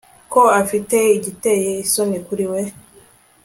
ko afite igiteye isoni kuri we